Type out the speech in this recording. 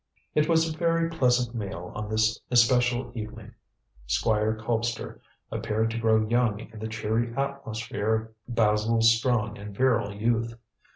It was a very pleasant meal on this especial evening. Squire Colpster appeared to grow young in the cheery atmosphere of Basil's strong and virile youth.